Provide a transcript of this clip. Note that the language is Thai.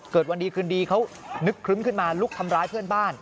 วันดีคืนดีเขานึกครึ้มขึ้นมาลุกทำร้ายเพื่อนบ้าน